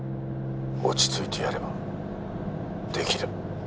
落ち着いてやればできる。